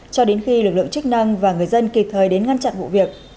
cho đến khi lực lượng chức năng và người dân kịp thời đến ngăn chặn vụ việc